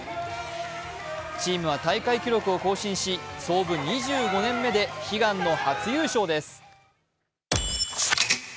チームは大会記録を更新し創部２５年目で悲願の初優勝です。